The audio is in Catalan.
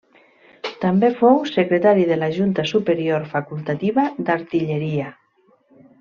També fou Secretari de la Junta Superior Facultativa d'Artilleria.